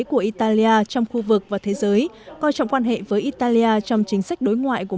của italia trong khu vực và thế giới coi trọng quan hệ với italia trong chính sách đối ngoại của